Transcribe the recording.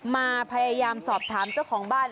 มาพยายามสอบถามเจ้าของบ้าน